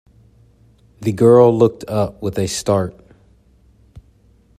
The girl looked up with a start.